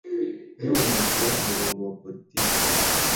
kunononsora umurongo wa politiki